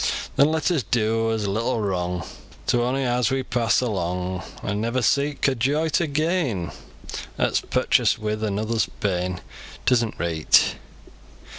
Then let us do as little wrong To ony as we pass along, An' never seek a joy to gain At's purchased wi another's pain, It isn't reet.